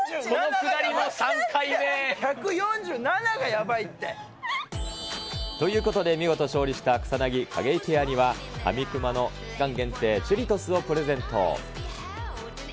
１４７がやばいって。ということで、見事勝利した草薙・景井ペアには、ハミクマの期間限定チュリトスをプレゼント。